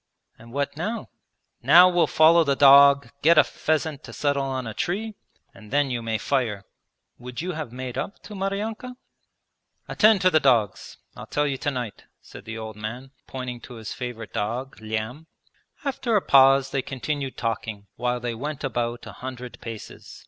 'And what now?' 'Now we'll follow the dog, get a pheasant to settle on a tree, and then you may fire.' 'Would you have made up to Maryanka?' 'Attend to the dogs. I'll tell you tonight,' said the old man, pointing to his favourite dog, Lyam. After a pause they continued talking, while they went about a hundred paces.